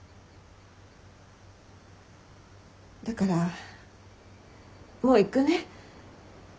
だからもう行くね。